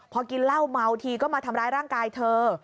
พอกินเหล้าเมาทีก็มาทำร้ายร่างกายเธอ